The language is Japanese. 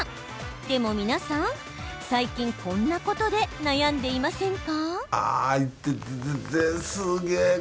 でも皆さん、最近こんなことで悩んでいませんか？